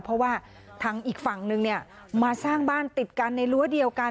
เพราะว่าทางอีกฝั่งนึงมาสร้างบ้านติดกันในรั้วเดียวกัน